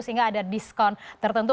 sehingga ada diskon tertentu